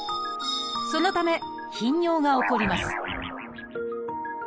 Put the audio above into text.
そのため頻尿が起こります